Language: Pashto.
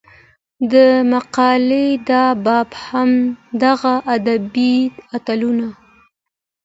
د مقالې دا باب هم دغه ادبي اتلانو